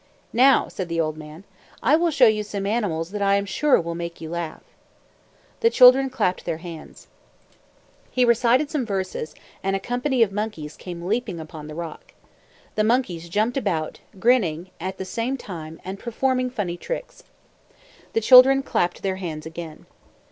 "Now," said the old man, "I will show you some animals that I am sure will make you laugh." The children clapped their hands. He recited some verses, and a company of monkeys came leaping upon the rock. The monkeys jumped about, grinning at the same time and performing funny tricks. The children clapped their hands again.